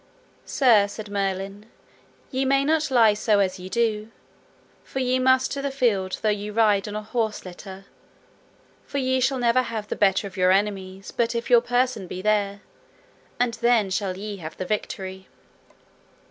Sir, said Merlin, ye may not lie so as ye do, for ye must to the field though ye ride on an horse litter: for ye shall never have the better of your enemies but if your person be there, and then shall ye have the victory.